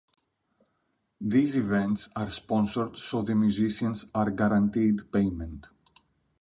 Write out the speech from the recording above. These events are sponsored so the musicians are guaranteed payment.